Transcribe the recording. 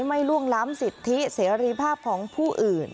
ล่วงล้ำสิทธิเสรีภาพของผู้อื่น